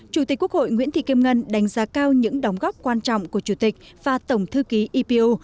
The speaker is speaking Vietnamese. chủ tịch quốc hội nguyễn thị kim ngân đánh giá cao những đóng góp quan trọng của chủ tịch và tổng thư ký epo